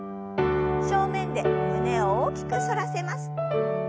正面で胸を大きく反らせます。